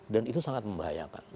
dan itu sangat membahayakan